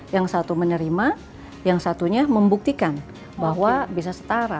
yang satu menerima yang satunya membuktikan bahwa bisa setara